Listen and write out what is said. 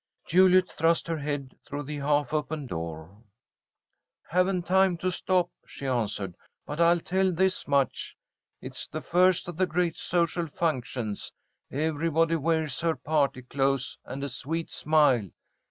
Juliet thrust her head through the half open door. "Haven't time to stop," she answered, "but I'll tell this much. It's the first of the great social functions. Everybody wears her party clothes and a sweet smile.